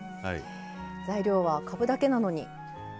材料はかぶだけなのに。